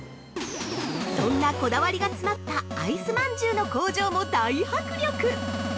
◆そんなこだわりが詰まったあいすまんじゅうの工場も大迫力。